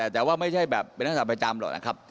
แต่ว่าไม่ใช่แบบเป็นนักศัตวประจำหรอกนะครับ